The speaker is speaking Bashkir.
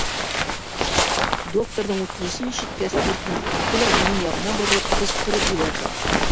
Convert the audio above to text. Докторҙың үтенесен ишеткәс, бүртенеп китте лә уның яғына боролоп ҡысҡырып ебәрҙе: